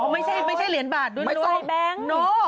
ไม่ใช่เหรียญบาทดูในแบงค์